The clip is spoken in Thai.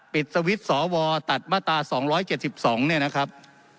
สวิตช์สวตัดมาตรา๒๗๒เนี่ยนะครับ